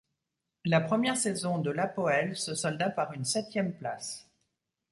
La première saison de l'Hapoël se solda par une septième place.